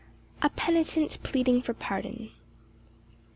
A penitent pleading for pardon.